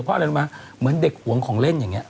เพราะอะไรรู้ไหมเหมือนเด็กหวงของเล่นอย่างนี้